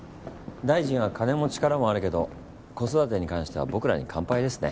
大臣は金も力もあるけど子育てに関しては僕らに完敗ですね。